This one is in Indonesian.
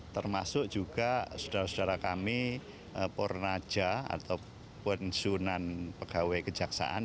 termasuk juga saudara saudara kami pornaja atau pensunan pegawai kejaksaan